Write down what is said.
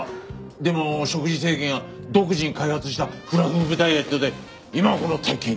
でも食事制限や独自に開発したフラフープダイエットで今はこの体形に。